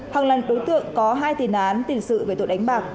hằng lần đối tượng có hai tiền án tiền sự về tội đánh bạc